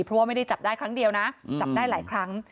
เพราะว่าไม่ได้จับได้ครั้งเดียวนะจับได้หลายครั้ง